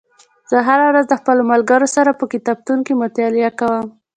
زه هره ورځ د خپلو ملګرو سره په کتابتون کې مطالعه کوم